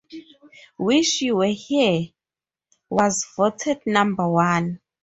"Wish You Were Here" was voted number one.